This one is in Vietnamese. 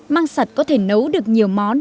măng sạch có thể nấu được nhiều món